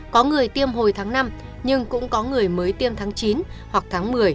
có người tiêm hồi tháng năm nhưng cũng có người mới tiêm tháng chín hoặc tháng một mươi